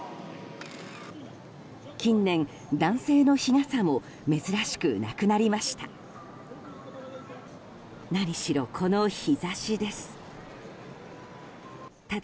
近年、男性の日傘も珍しくなくなりました。